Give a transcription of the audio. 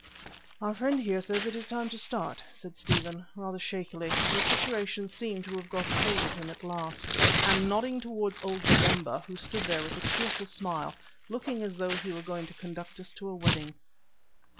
"Our friend here says it is time to start," said Stephen, rather shakily, for the situation seemed to have got a hold of him at last, and nodding towards old Babemba, who stood there with a cheerful smile looking as though he were going to conduct us to a wedding.